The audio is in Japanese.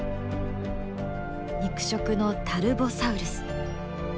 肉食のタルボサウルス。